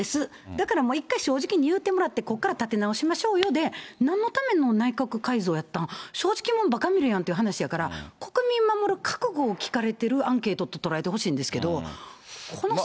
だからもう、１回正直に言うてもらって、ここから立て直しましょうよで、なんのための内閣改造やったん、正直もんばか見るやんって話ですから、国民守る覚悟を聞かれてるアンケートと捉えてほしいんですけど。